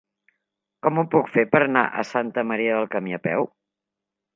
Com ho puc fer per anar a Santa Maria del Camí a peu?